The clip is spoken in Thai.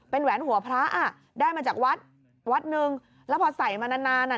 แหวนหัวพระอ่ะได้มาจากวัดวัดหนึ่งแล้วพอใส่มานานนานอ่ะ